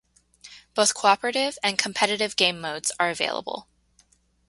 Both cooperative and competitive game modes are available.